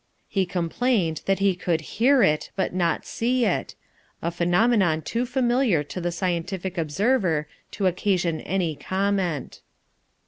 He complained that he could HEAR it, but not SEE it a phenomenon too familiar to the scientific observer to occasion any comment.